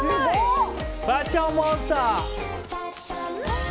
「ファッションモンスター」！